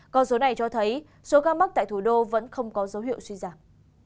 con số này cho thấy số ca mắc tại thủ đô vẫn không có dấu hiệu suy giảm